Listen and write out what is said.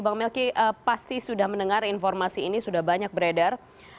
bang melki pasti sudah mendengar informasi ini sudah banyak beredar